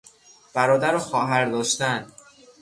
برادر و خواهر داشتن